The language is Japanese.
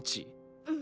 うん。